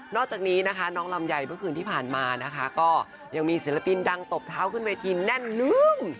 อกจากนี้นะคะน้องลำไยเมื่อคืนที่ผ่านมานะคะก็ยังมีศิลปินดังตบเท้าขึ้นเวทีแน่นลืม